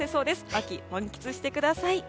秋、満喫してください。